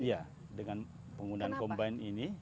iya dengan penggunaan combine ini